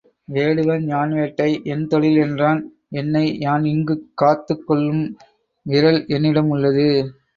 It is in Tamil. வேடுவன் யான் வேட்டை என் தொழில் என்றான் என்னை யான் இங்குக் காத்துக் கொள்ளும் விறல் என்னிடம் உள்ளது.